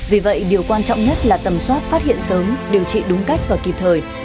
vì vậy điều quan trọng nhất là tầm soát phát hiện sớm điều trị đúng cách và kịp thời